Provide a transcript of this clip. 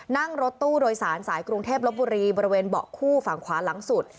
นั่งรถตู้โดยสารสายกรุงเทพลบบุรีบริเวณเบาะคู่ฝั่งขวาหลังสุด